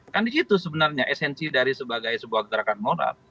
kan disitu sebenarnya esensi dari sebagai sebuah gerakan moral